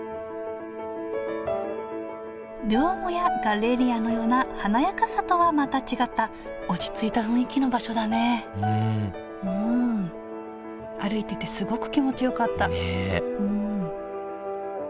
ドゥオーモやガッレリアのような華やかさとはまた違った落ち着いた雰囲気の場所だねうん歩いててすごく気持ちよかったねえ